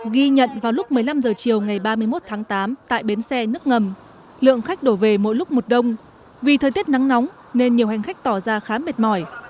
ghi nhận vào lúc một mươi năm h chiều ngày ba mươi một tháng tám tại bến xe nước ngầm lượng khách đổ về mỗi lúc một đông vì thời tiết nắng nóng nên nhiều hành khách tỏ ra khá mệt mỏi